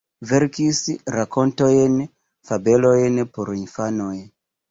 Verkis rakontojn, fabelojn por infanoj.